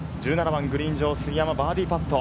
１７番グリーン上、杉山、バーディーパット。